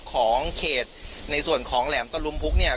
ของเขตในส่วนของแหลมตะลุมพุกเนี่ย